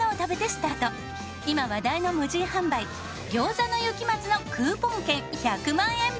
今話題の無人販売餃子の雪松のクーポン券１００万円分！